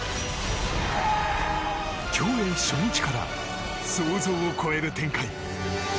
競泳初日から想像を超える展開。